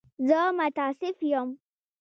زه متأسف یم.